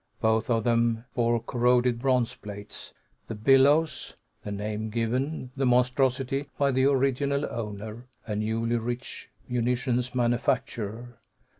Both of them bore corroded bronze plates, "The Billows," the name given The Monstrosity by the original owner, a newly rich munitions manufacturer.